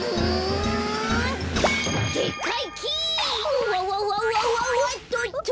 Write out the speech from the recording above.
うわわわわおっとっと！